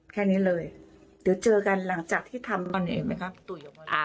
แค่นี้เลยเดี๋ยวเจอกันหลังจากที่ทำกันเองไหมครับ